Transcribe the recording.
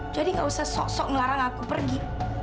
jadi gak usah sok sok ngelarang aku pergi